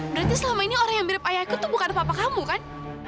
berarti selama ini orang yang mirip ayahku itu bukan papa kamu kan